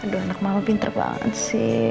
aduh anak mama pinter banget sih